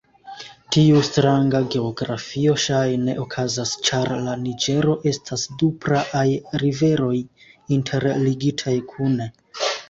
Tiu stranga geografio ŝajne okazas ĉar la Niĝero estas du praaj riveroj interligitaj kune.